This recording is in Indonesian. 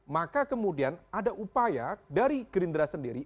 maka kemudian ada upaya dari gerindra sendiri